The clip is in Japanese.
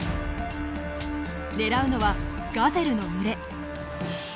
狙うのはガゼルの群れ。